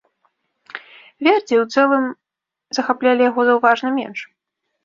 Вердзі, у цэлым захаплялі яго заўважна менш.